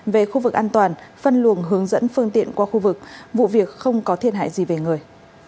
về khu vực an toàn phân luồng hướng dẫn phương tiện qua khu vực vụ việc không có thiệt hại gì về người